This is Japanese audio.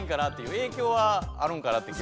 影響はあるんかなって気は。